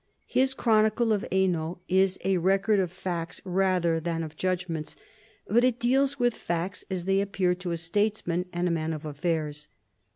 His chronicle of Hainault is a record of facts rather than of judgments, but it deals with facts as they appear to a statesman and a man of affairs.